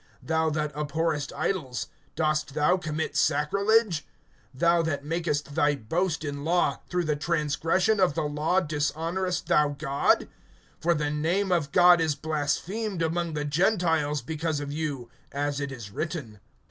Thou that abhorrest idols, dost thou commit sacrilege[2:22]? (23)Thou that makest thy boast in law, through the transgression of the law dishonorest thou God? (24)For, the name of God is blasphemed among the Gentiles because of you, as it is written.